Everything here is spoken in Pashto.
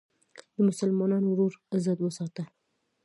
د مسلمان ورور عزت وساته.